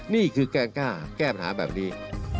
นี่คือแก้งกล้าแก้ปัญหาแบบนี้